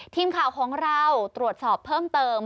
ทีมข่าวของเราตรวจสอบเพิ่มเติม